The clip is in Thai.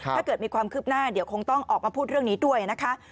ถ้าเกิดมีความคืบหน้าเดี๋ยวคงต้องออกมาพูดเรื่องนี้ด้วยนะคะ